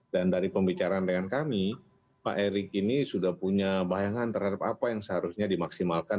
dan dari pembicaraan dengan kami pak erick ini sudah punya bayangan terhadap apa yang seharusnya dimaksimalkan